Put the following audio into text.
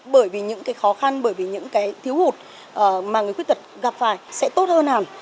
bởi vì những cái khó khăn bởi vì những cái thiếu hụt mà người khuyết tật gặp phải sẽ tốt hơn hàm